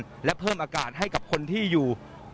และเพิ่มอากาศให้กับคนที่อยู่